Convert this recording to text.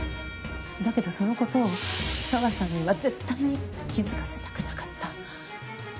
だけどその事を佐和さんには絶対に気づかせたくなかった。